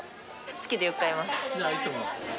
好きでよく買います。